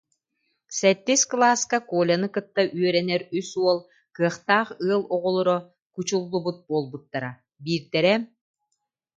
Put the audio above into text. Сэттис кылааска Коляны кытта үөрэнэр үс уол, кыахтаах ыал оҕолоро, кучуллубут буолбуттара, биирдэрэ